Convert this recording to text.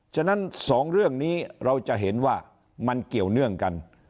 ฉะนั้นสองเรื่องนี้เราจะเห็นว่ามันเกี่ยวเนื่องกัน